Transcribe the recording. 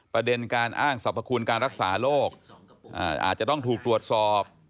ประเด็นการอ้างสรรพคุณการรักษาโรคอาจจะต้องถูกตรวจสอบ